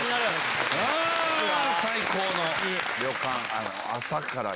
最高の旅館。